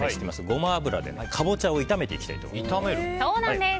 ゴマ油でカボチャを炒めていきたいと思います。